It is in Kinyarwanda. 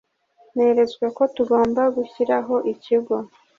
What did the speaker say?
Neretswe ko tugomba gushyiraho ikigo